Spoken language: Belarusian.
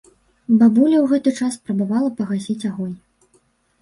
Бабуля ў гэты час спрабавала пагасіць агонь.